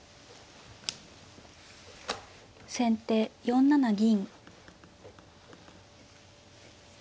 先手４七銀。